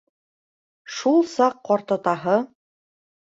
Шул саҡ ҡартатаһы: